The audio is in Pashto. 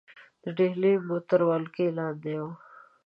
ډهلی مو تر ولکې لاندې وو.